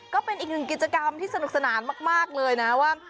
ก็เป็นอีกหนึ่งกิจกรรมที่สนุกสนานมากเลยนะว่า